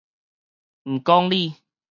毋講理